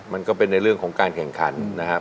มันก็เป็นในเรื่องของการแข่งขันนะครับ